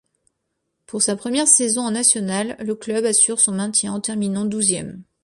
Pour sa première saison en nationales, le club assure son maintien en terminant douzième.